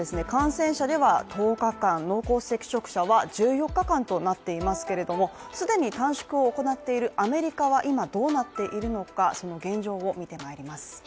感染者では、１０日間濃厚接触者は１４日間となっていますけれども、既に短縮を行っているアメリカは今どうなっているのか、その現状を見て参ります。